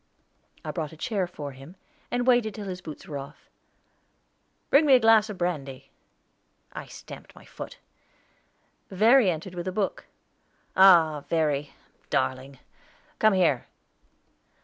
I brought a chair for him, and waited till his boots were off. "Bring me a glass of brandy." I stamped my foot. Verry entered with a book. "Ah, Verry, darling, come here."